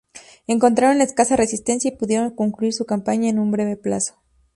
Encontraron escasa resistencia y pudieron concluir su campaña en un breve plazo.